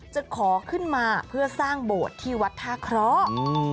จะขอขึ้นมาเพื่อสร้างโบราณที่วัดทาคเราอืม